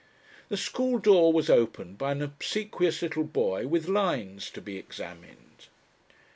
The school door was opened by an obsequious little boy with "lines" to be examined.